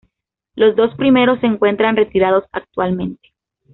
Los dos primeros se encuentran retirados actualmente.